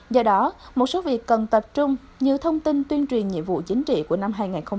do đó một số việc cần tập trung như thông tin tuyên truyền nhiệm vụ chính trị của năm hai nghìn hai mươi